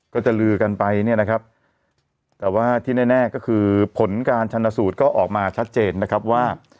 ก็จะลือกันไปเนี่ยนะครับแต่ว่าที่แน่ก็คือผลการชนสูตรก็ออกมาชัดเจนนะครับว่า